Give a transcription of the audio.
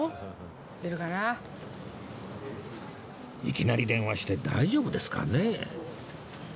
いきなり電話して大丈夫ですかね？